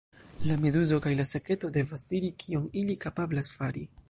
La meduzo kaj la saketo devas diri kion ili kapablas fari.